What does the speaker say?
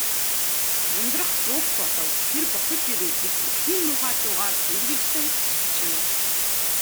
"Ундрах буг болов. Тэр босож ирэв" гэж үхлийн муухай дуугаар үргэлжлэн хашхичив.